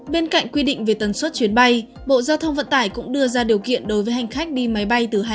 bên cạnh quy định về tần suất chuyến bay bộ giao thông vận tải cũng đưa ra điều kiện đối với hành khách đi máy bay từ hai mươi